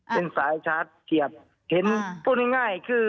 เป็นสายชาร์จเกียบเห็นพูดง่ายคือ